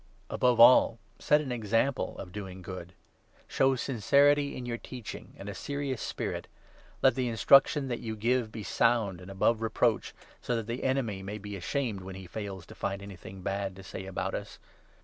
Above all, set an example of doing good. 7 Show sincerity in your teaching, and a serious spirit ; let the 8 instruction that you give be sound and above reproach, so that the enemy may be ashamed when he fails to find anything bad to say about us.